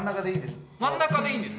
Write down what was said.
真ん中でいいです